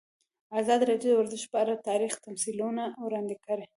ازادي راډیو د ورزش په اړه تاریخي تمثیلونه وړاندې کړي.